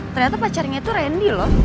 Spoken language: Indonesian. ternyata pacarnya itu randy loh